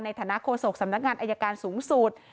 ในฐานะโฆษกสำนักงานอัยการสูงสูตร